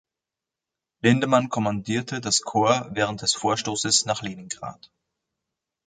Lindemann kommandierte das Korps während des Vorstoßes nach Leningrad.